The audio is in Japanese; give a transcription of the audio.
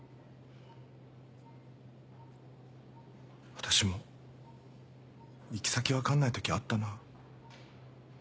私も行き先分かんない時あったな。